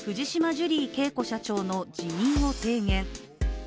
ジュリー景子社長の辞任を提言。